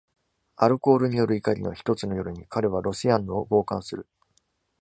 アルコールによる怒りの一つの夜に、彼は Roseanne を強姦する。